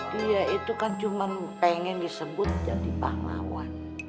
dia itu kan cuma pengen disebut jadi pahlawan